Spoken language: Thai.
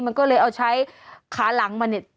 มันก็เลยเอาใช้ขาหลังมาเนี่ย